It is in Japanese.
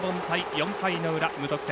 ４回の裏、無得点。